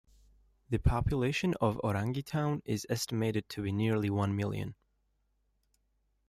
The population of Orangi Town is estimated to be nearly one million.